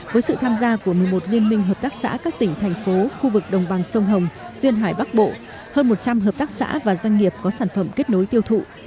với sự tham gia của một mươi một liên minh hợp tác xã các tỉnh thành phố khu vực đồng bằng sông hồng duyên hải bắc bộ hơn một trăm linh hợp tác xã và doanh nghiệp có sản phẩm kết nối tiêu thụ